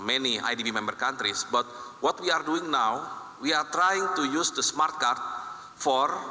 untuk menggantikan dukungan pemerintah